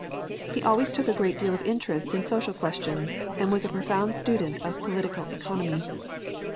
He always took a great deal of interest in social questions, and was a profound student of political economy.